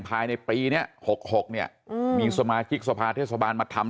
ภายในปีเนี้ยหกหกเนี้ยอืมมีสมาชิกสภาทเทศบาลมาทำ